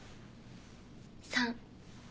３。